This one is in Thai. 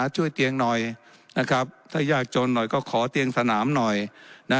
ช่วยเตียงหน่อยนะครับถ้ายากจนหน่อยก็ขอเตียงสนามหน่อย